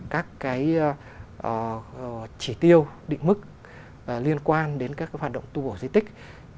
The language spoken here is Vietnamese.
các cái chỉ tiêu định mức liên quan đến các hoạt động tu bổ di tích